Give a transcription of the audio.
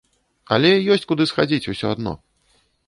Але ёсць куды схадзіць усё адно.